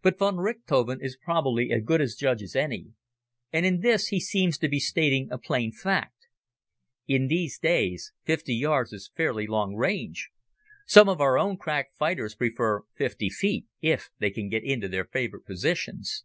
But von Richthofen is probably as good a judge as any, and in this he seems to be stating a plain fact. In these days 50 yards is fairly long range. Some of our own crack fighters prefer 50 feet, if they can get into their favorite positions.